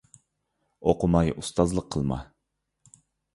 ئوقۇماي ئۇستازلىق قىلما.